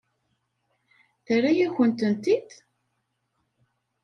Terra-yakent-ten-id?